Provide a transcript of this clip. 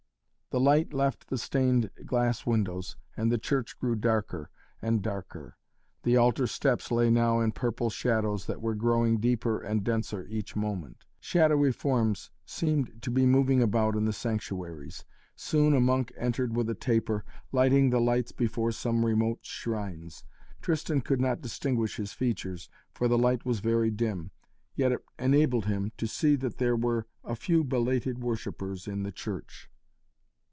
The light left the stained glass windows and the church grew darker and darker. The altar steps lay now in purple shadows that were growing deeper and denser each moment. Shadowy forms seemed to be moving about in the sanctuaries. Soon a monk entered with a taper, lighting the lights before some remote shrines. Tristan could not distinguish his features, for the light was very dim. Yet it enabled him to see that there were a few belated worshippers in the church.